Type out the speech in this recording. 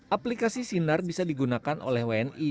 aplikasi sinar bisa digunakan oleh wni